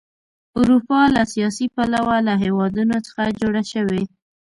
اروپا له سیاسي پلوه له هېوادونو څخه جوړه شوې.